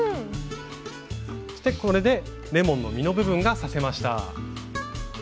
これでレモンの実の部分が刺せました。